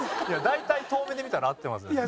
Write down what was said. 大体遠目で見たら合ってますよ。